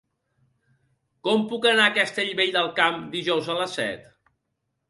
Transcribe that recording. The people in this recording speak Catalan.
Com puc anar a Castellvell del Camp dijous a les set?